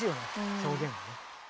表現はね。